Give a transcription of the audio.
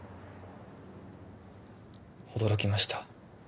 驚きました。